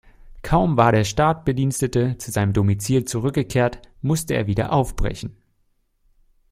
Kaum war der Staatsbedienstete zu seinem Domizil zurückgekehrt, musste er wieder aufbrechen.